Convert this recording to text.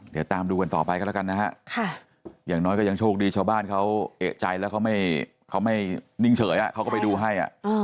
เดี๋ยวตามดูกันต่อไปกันแล้วกันนะฮะอย่างน้อยก็ยังโชคดีชาวบ้านเขาเอกใจแล้วเขาไม่นิ่งเฉยเขาก็ไปดูให้